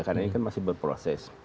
karena ini kan masih berproses